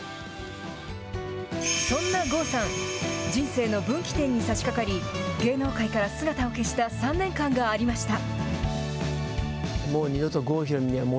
そんな郷さん、人生の分岐点にさしかかり、芸能界から姿を消した３年間がありました。